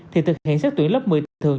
thì thực hiện xét tuyển lớp một mươi thường